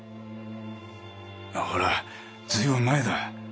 ほら随分前だ。